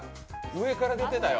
上から出てたよ。